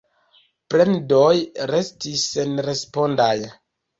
Plendoj restis senrespondaj.